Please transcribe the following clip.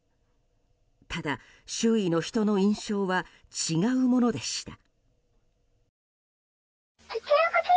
ただ、周囲の人の印象は違うものでした。